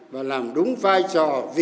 và làm đúng vai trò vị trí của quân đội